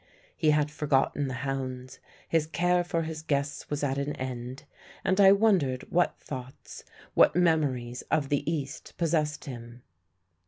He had forgotten the hounds; his care for his guests was at an end; and I wondered what thoughts, what memories of the East, possessed him.